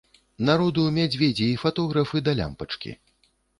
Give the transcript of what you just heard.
Народу мядзведзі і фатографы да лямпачкі.